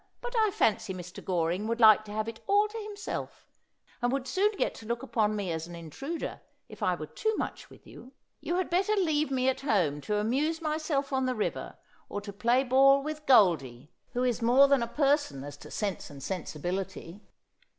But I fancy Mr. Goring would like to have it all to himself, and would soon get to look upon me as ao intruder, if I were too much witti you. You had better 1 ave me at home to amuse myself on ttie river, or to play ball ^ After my Might ful fayne wold I You plese,^ 147 with Groldie, who is more than a person as to sense and sensi bility.'